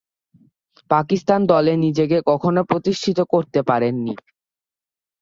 পাকিস্তান দলে নিজেকে কখনো প্রতিষ্ঠিত করতে পারেননি।